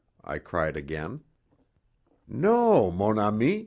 I cried again. "No, mon ami.